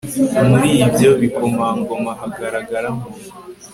muri ibyo bikomangoma hagaragaram